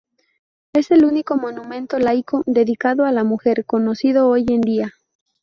Es el único monumento laico, dedicado a la mujer, conocido hoy en día.